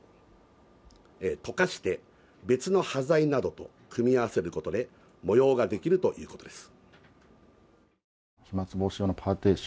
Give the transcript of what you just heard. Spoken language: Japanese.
溶かして、別の端材などと組み合わせることで模様ができるということです。